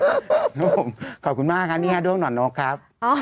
ครับผมขอบคุณมากครับนี่ฮะด้วงห่อนนกครับ